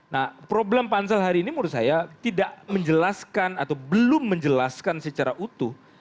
nah problem pansel hari ini menurut saya tidak menjelaskan atau belum menjelaskan secara utuh